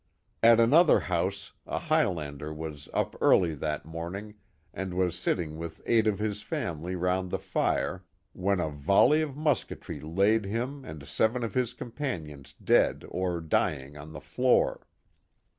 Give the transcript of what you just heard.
At another house a Highlander was up early that morning and was sitting wiih eight of his family round the fire, when a volley of musketry laid him and seven of his companions dead or dying on the Hour.